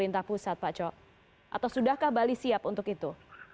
atau sudahkah bali siap untuk itu